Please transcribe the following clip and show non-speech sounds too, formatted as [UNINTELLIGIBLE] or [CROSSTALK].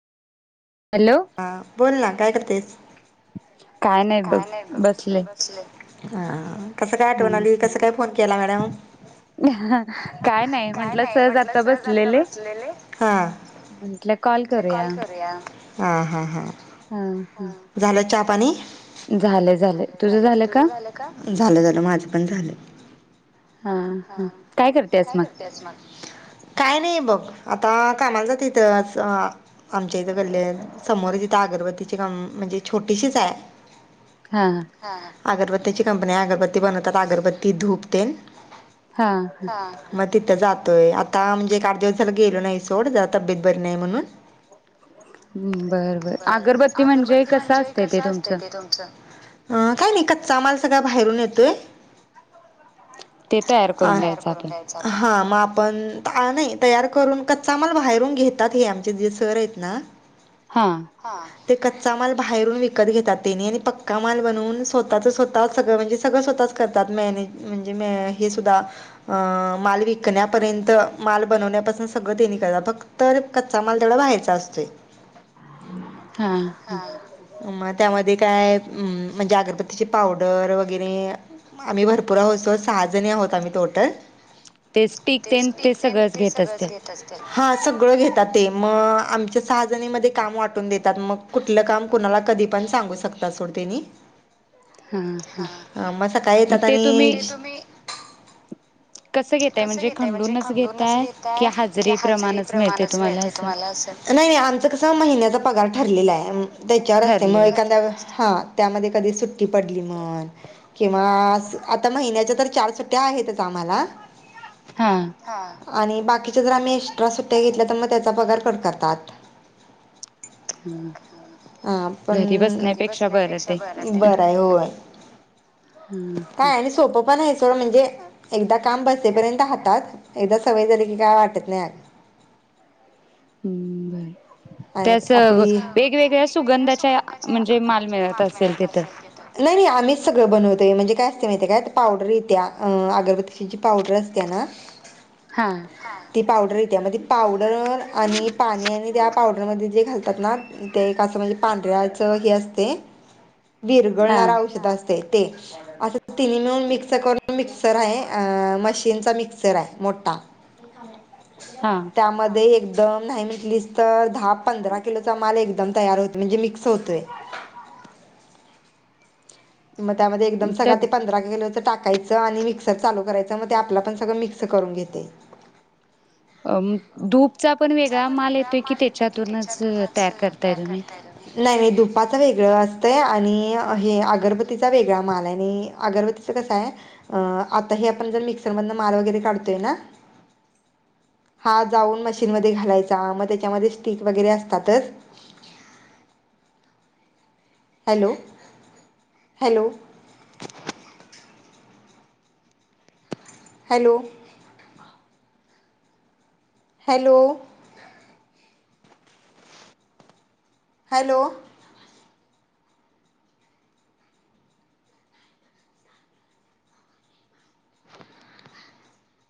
Hello. हा बोल ना काय करतेस? काय नाही बघ बसलेय. हा, कसं काय आठवण आली? कसं काय फोन केला मॅडम? ह नाही काय म्हंटलं नाही म्हंटलं आता सहज आत बसलेले बसलेले म्हटल कॉल करूया. हां हां. झालं चहा पाणी? तुझं झालं का झालं झालं माझं पण झालं. हा हा काय करत्यास मग? [UNINTELLIGIBLE] काय नाही बघ, आता कामाला जाते येथं आस आमच्या इथं गल्ली हाय समोरच इथं अगरबतीचे कम म्हणजे छोटीशीच हाय हा हा. अगरबत्त्याची कंपनी हाय, अगरबत्ती बनवतात अगरबत्ती धूप तेन. हा. म तिथं जातोय आता म्हणजे आठ दिवस झाले गेलो नाही सोड जरा तब्येत बरी नाही म्हणून. बर बर अगरबत्ती म्हणजे कस असत ते तुमचं? अ काय नायी, कच्चा माल सगळा बाहेरून येतोय. ते आ तयार द्यायचं करून आपण द्या हा म आपण आ नाही तयार करून कच्चा माल बाहेरून घेतात हे आमचे जे सर आहेत ना हा. हा, ते कच्चा माल बाहेरून विकत घेतात. त्येनी आणि पक्का माल बनवून स्वतःच स्वतः सगळं म्हणजे सगळं स्वतःच मॅनेज. म्हणजे म हे सुद्धा अ माल विकण्यापर्यंत माल बनवण्यापासून सगळं तेनी करता फक्त तर कच्चा माल तेवडा बाहेरचा असतोय. हा हा हा म त्यामध्ये काय अम म्हणजे अगरबत्तीची पावडर वगैरे, आम्ही भरपूर आहोत सो-सहाजणी आहोत आम्ही टोटल. ते स्टिक तेन ते सगळंच घेत असतील? हा सगळं घेतात ते म आमच्या सहाजणी मध्ये काम वाटून देतात मग कुठलं काम कुणाला कधी पण सांगू शकता सोड तेनी. हा म सकाळी मग येतात ते तुम्ही आणि [UNINTELLIGIBLE] कसं घेताय म्हणजे खंडूनच घेताय, कि हजरी प्रमाणच मिळते तुम्हाला असं? नायी नाई आमचं कसं महिन्याचा पगार ठरलेला हाय त्याच्यावर असते मग ठरलेलं असत एखादा व हा त्यामध्ये कधी सुट्टी पडली म्हण, किंवा अस आता महिन्याच्या तर चार सु त्या आहेतच आम्हाला. हा. हा, आणि बाकीच्या जर आम्ही एक्स्ट्रा सुट्ट्या घेतल्या तर मग त्याचा पगार कट करतात. हम्म. हा पण, घरी बसण्यापेक्षा ते बर हाय. बर हाय हो. हम्म हम. आणि सोपं पण आहे सोडं म्हणजे एकदा काम बसेपर्यंत हातात, एकदा सवय झाली की काय वाटत नाय आत. हम्म बाय. त्या अस आपली वेगवेगळ्या सुगंधाच्या म्हणजे माल मिळत असेल तिथं? नायी नायी आम्हीच सगळं बनवतोय. म्हणजे काय असतय माहिती हाय का? ते पावडर येत्या अगरबत्तीची जी पावडर असते ना. हा. ती पावडर इत्या. ती पावडर आणि पाणी आणि त्या पावडरमध्ये जे घालतात ना? ते एक असं म्हणजे पांढऱ्याचं हे असते हा विरघळणारं औषध असते. ते. अस तिनी मिळून मिक्स करून मिक्सर आहे अ मशीनचा मिक्सर हाय मोठा. हा त्यामध्ये एकदम नाही म्हटलंलिस तर दहा पंधरा किलोचा माल एकदम तयार होतो, म्हणजे मिक्स होतोय. मग त्यामध्ये एकदम त्यात सगळा ते पंधरा किलोच टाका टाकायचं आणि मिक्सर चालू करायचा, मग ते आपलं आपण सगळं मिक्स करून घेतयं. अं धूपचा पण वेगळा माल येतोय की त्याच्यातूनच तयार करताय तुम्ही? नाय नाय धुपाचं वेगळं असतंय, आणि अ हे अगरबतीचा वेगळा माल आणि अगरबती ते कस हाय, आता हे आपण जर मिक्सरमधन माल वगैरे काढतोय ना? हा जाऊन मशीन मध्ये घालायचा, मग त्याच्यामध्ये स्टिक वगैरे असतातच. Hello, hello. Hello. Hello hello